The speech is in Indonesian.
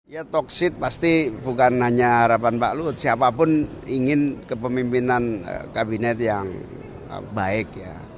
ya toksit pasti bukan hanya harapan pak luhut siapapun ingin kepemimpinan kabinet yang baik ya